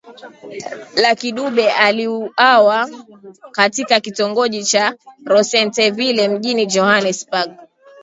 Lucky Dube aliuawa katika kitongoji cha Rosettenville mjini Johannesburg